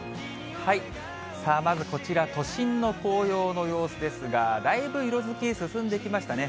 まずこちら、都心の紅葉の様子ですが、だいぶ色づき進んできましたね。